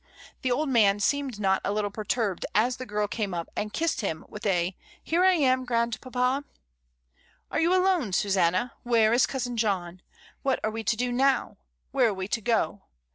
The old man seemed not a little perturbed 28 MRS. DYMOND. as the girl came up, and kissed him with a "Here I am, grandpapa!" "Are you alone, Susanna? where is cousin John? what are we to do now? where are we to go?